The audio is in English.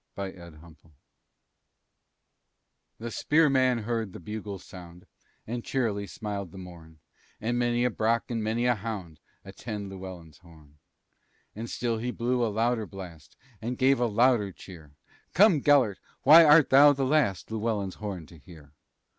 BETH GELERT The spearman heard the bugle sound, And cheerily smiled the morn; And many a brach, and many a hound, Attend Llewellyn's horn: And still he blew a louder blast, And gave a louder cheer: "Come, Gelert! Why art thou the last Llewellyn's horn to hear?